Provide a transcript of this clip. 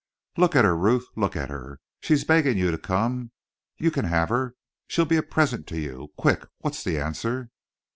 "Look at her, Ruth. Look at her. She's begging you to come. You can have her. She'll be a present to you. Quick! What's the answer!"